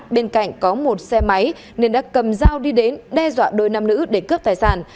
bên cạnh có một xe máy nên đã cầm dao đi đến đe dọa đôi nam nữ để cướp tài sản